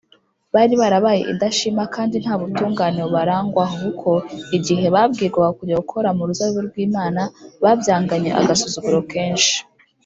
bari barabaye indashima kandi nta butungane bubarangwaho; kuko igihe babwirwaga kujya gukora mu ruzabibu rw’imana, babyanganye agasuzuguro kenshi